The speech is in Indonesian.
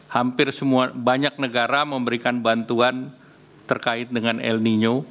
hampir semua banyak negara memberikan bantuan terkait dengan el nino